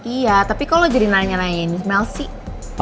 iya tapi kok lu jadi nanya nanya ini mel sih